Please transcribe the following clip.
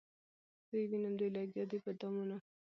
زه یې وینم دوی لګیا دي په دامونو